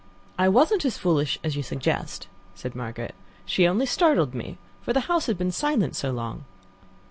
"I wasn't as foolish as you suggest," said Margaret. "She only startled me, for the house had been silent so long."